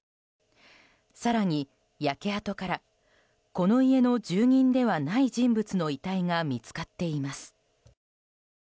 更に、焼け跡からこの家の住人ではない人物の遺体が見つかっています。